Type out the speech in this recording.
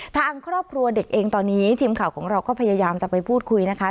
ทางครอบครัวเด็กเองตอนนี้ทีมข่าวของเราก็พยายามจะไปพูดคุยนะคะ